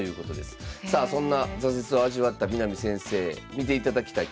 さあそんな挫折を味わった南先生見ていただきたい